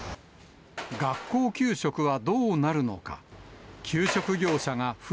学校給食はどうなるのか。